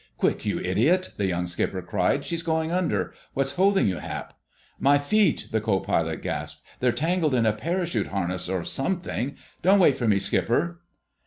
"Quick, you idiot!" the young skipper cried. "She's going under! What's holding you, Hap!" "My feet!" the co pilot gasped. "They're tangled in a parachute harness or something. Don't wait for me, Skipper!"